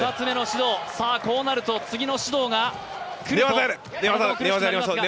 こうなると次の指導がくると苦しくなりますが。